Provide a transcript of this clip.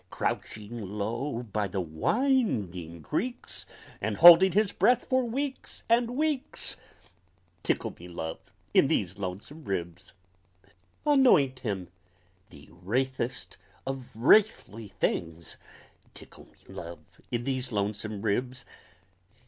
Crouching low by the winding creeks And holding his breath for weeks and weeks! Tickle me, Love, in these Lonesome Ribs! Anoint him, the wraithest of wraithly things! Tickle me, Love, in these Lonesome Ribs!